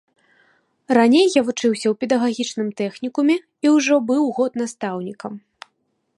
Раней я вучыўся ў педагагічным тэхнікуме і ўжо быў год настаўнікам.